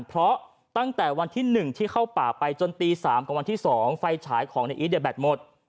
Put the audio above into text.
เพราะตั้งแต่วันที่๑ที่เข้าป่าไปจนตี๓กับวันที่๒ไฟฉายของในอีทเนี่ยแบตหมด